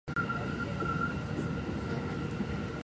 もっと飲めよ